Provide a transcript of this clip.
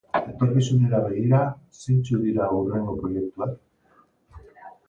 Etorkizunera begira, zeintzuk dira hurrengo proiektuak?